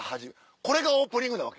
これがオープニングなわけ？